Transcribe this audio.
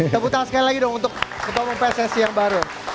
tepuk tangan sekali lagi dong untuk ketua umum pssi yang baru